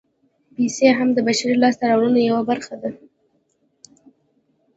پیسې هم د بشري لاسته راوړنو یوه برخه ده